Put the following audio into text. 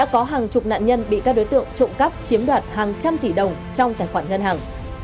có hàng chục nạn nhân bị các đối tượng trộm cắp chiếm đoạt hàng trăm tỷ đồng trong tài khoản ngân hàng